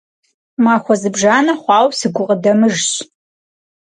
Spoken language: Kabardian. Maxue zıbjjane xhuaue sıgukhıdemıjjş.